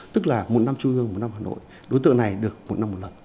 tức là một năm trung ương một năm hà nội đối tượng này được một năm một lần